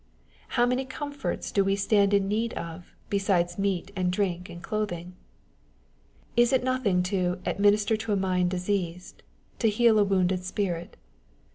How many comforts do we stand in need of, besides meat and drink and clothing ! Is it nothing to " administer to a mind diseased " â€" to heal a wounded spirit